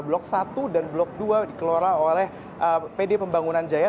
blok satu dan blok dua dikelola oleh pd pembangunan jaya